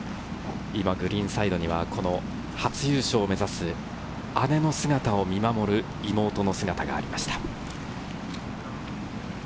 グリーンサイドには初優勝を目指す姉の姿を見守る妹の姿がありました。